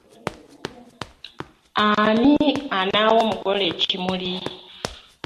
Ani anaawa omugole ekimuli?